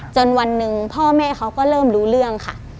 จนวันหนึ่งพ่อแม่เขาก็เริ่มรู้เรื่องค่ะ